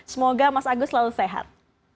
semoga mas agus selalu sehat